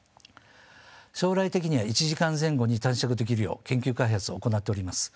将来的には１時間前後に短縮できるよう研究開発を行っております。